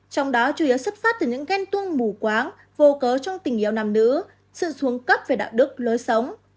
trong đó chủ yếu xuất phát từ những ghen tuông mù quáng vô cớ trong tình yêu nam nữ sự xuống cấp về đạo đức lối sống